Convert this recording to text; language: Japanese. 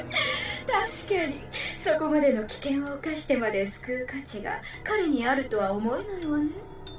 確かにそこまでの危険を冒してまで救う価値が彼にあるとは思えないわね。